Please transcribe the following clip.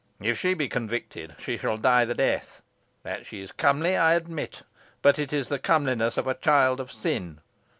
If she be convicted she shall die the death. That she is comely I admit; but it is the comeliness of a child of sin.